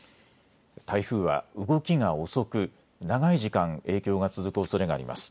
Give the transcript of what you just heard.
台風は動きが遅く長い時間、影響が続くおそれがあります。